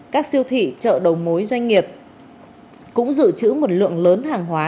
các siêu thị chợ đầu mối doanh nghiệp cũng dự trữ một lượng lớn hàng hóa